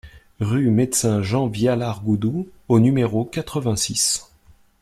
Rue Medecin Jean Vialar Goudou au numéro quatre-vingt-six